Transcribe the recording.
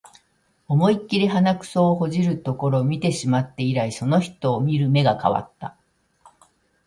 思いっきり鼻くそほじってるところ見てしまって以来、その人を見る目が変わった